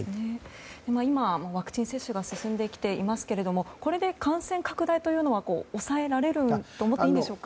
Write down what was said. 今もワクチン接種が進んできていますけどこれで感染拡大というのは抑えられると思っていいんでしょうか。